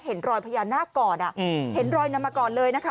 เห็นรอยพญานาคก่อนเห็นรอยนำมาก่อนเลยนะคะ